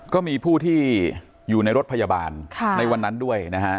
ก็มีผู้ที่อยู่ในรถพยาบาลในวันนั้นด้วยนะฮะ